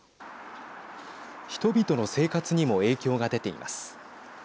人々の生活にも影響が出ています。